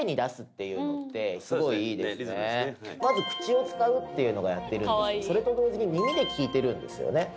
まず口を使うっていうのをやってるんですけどそれと同時に耳で聞いてるんですよね